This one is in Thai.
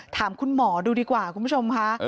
ถามคุณหมอดูดีกว่าคุณผู้ชมค่ะ